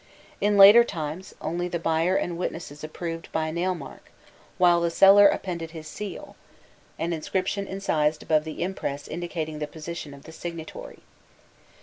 In later times, only the buyer and witnesses approved by a nail mark, while the seller appended his seal; an inscription incised above the impress indicating the position of the signatory.